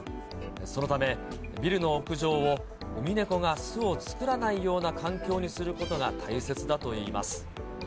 そのためビルの屋上をウミネコが巣を作らないような環境にすることが大切だといいます。